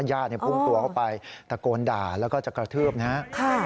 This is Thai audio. ญาติพุ่งตัวเข้าไปตะโกนด่าแล้วก็จะกระทืบนะครับ